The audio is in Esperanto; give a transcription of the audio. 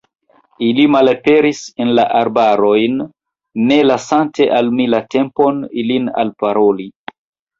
Ili malaperis en la arbarojn, ne lasante al mi la tempon, ilin alparoli.